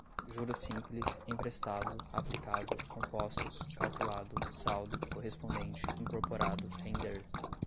juros simples, emprestado, aplicado, compostos, calculado, saldo, correspondente, incorporado, render